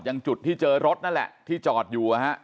จุดที่เจอรถนั่นแหละที่จอดอยู่